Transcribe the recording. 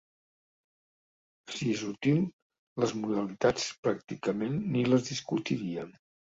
Si és útil, les modalitats pràcticament ni les discutiria.